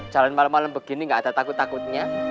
jalan malam malam begini gak ada takut takutnya